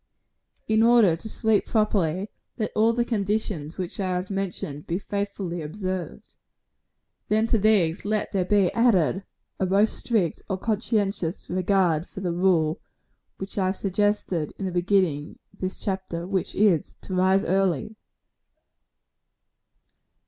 In order to sleep properly, let all the conditions which I have mentioned be faithfully observed. Then to these let there be added a most strict and conscientious regard for the rule which I have suggested in the beginning of this chapter which is, to rise early.